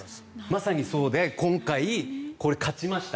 まさにそうで今回勝ちました。